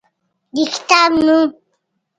د کتاب نوم: